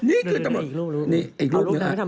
อีกลูก